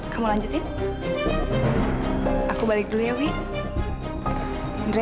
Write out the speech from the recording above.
kamu lanjutin aku balik dulu ya wih